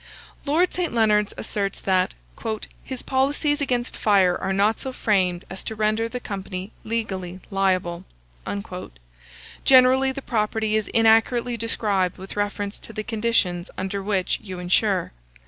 Lord St. Leonards asserts that "his policies against fire are not so framed as to render the company legally liable." Generally the property is inaccurately described with reference to the conditions under which you insure.